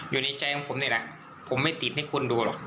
อยู่ในใจของผมนี่แหละผมไม่ติดให้คนดูหรอก